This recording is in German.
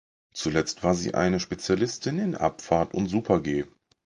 Zuletzt war sie eine Spezialistin in Abfahrt und Super-G.